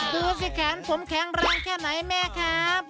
ดูสิแขนผมแข็งแรงแค่ไหนแม่ครับ